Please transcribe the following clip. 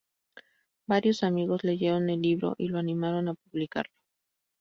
Varios amigos leyeron el libro y lo animaron a publicarlo.